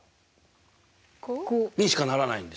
５？にしかならないんですよ。